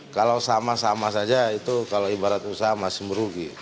kalau sama sama saja itu kalau ibarat usaha masih merugi